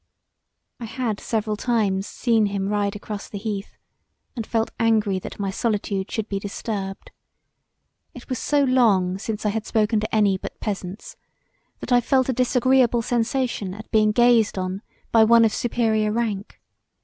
I had several times seen him ride across the heath and felt angry that my solitude should be disturbed. It was so long [since] I had spoken to any but peasants that I felt a disagreable sensation at being gazed on by one of superior rank.